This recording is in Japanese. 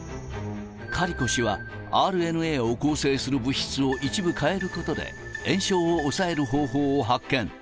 カリコ氏は、ＲＮＡを構成する物質を一部変えることで、炎症を抑える方法を発見。